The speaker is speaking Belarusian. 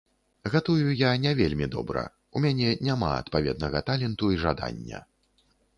Гатую я не вельмі добра, у мяне няма адпаведнага таленту і жадання.